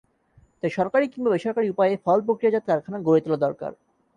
তাই সরকারি কিংবা বেসরকারি উপায়ে ফল প্রক্রিয়াজাত কারখানা গড়ে তোলা দরকার।